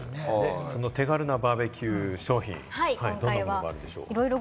手軽なバーベキュー商品はどんなものがあるんでしょうか？